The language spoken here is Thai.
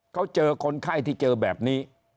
เขาเจอคนไข้ที่เจอแบบนี้